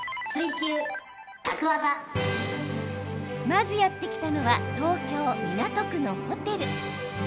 まず、やって来たのは東京・港区のホテル。